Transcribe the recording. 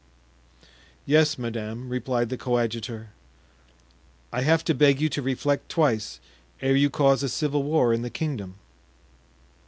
"Yes, madame," replied the coadjutor; "I have to beg you to reflect twice ere you cause a civil war in the kingdom."